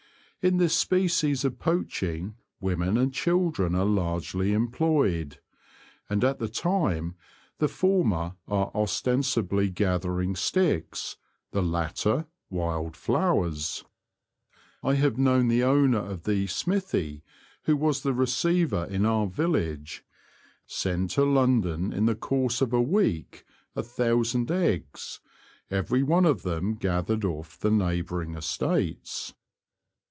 In this species of poaching women and children are largely employed, and at the time the former are os tensibly gathering sticks, the latter wild flowers. I have known the owner of the '^ smithy," who was the receiver in our village, send to London in the course of a week a thousand eggs, every The Confessions of a T^oacher. 31 one of them gathered off the neighbouring estates.